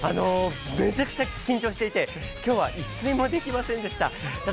めちゃくちゃ緊張していて、きょうは一睡もできませんでした。